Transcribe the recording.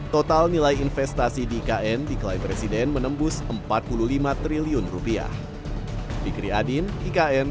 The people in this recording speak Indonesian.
total nilai investasi di ikn diklaim presiden menembus empat puluh lima triliun rupiah